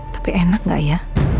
tapi enak nggak ya